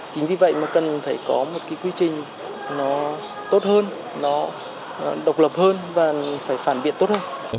chính vì vậy mà cần phải có một cái quy trình nó tốt hơn nó độc lập hơn và phải phản biện tốt hơn